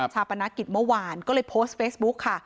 ปนกิจเมื่อวานก็เลยโพสต์เฟซบุ๊คค่ะ